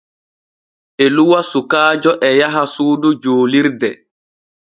Eluwa sukaajo e yaha suudu juulirde.